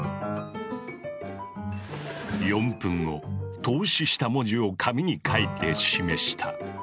４分後透視した文字を紙に書いて示した。